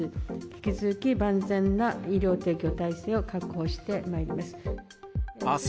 引き続き万全な医療提供体制を確保してまいります。